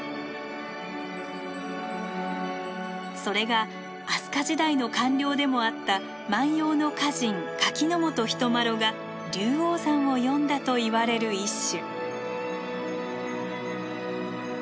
それが飛鳥時代の官僚でもあった万葉の歌人柿本人麻呂が龍王山を詠んだといわれる一首。